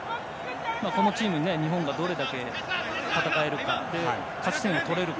このチームに日本がどれだけ戦えるか勝ち点を取れるか。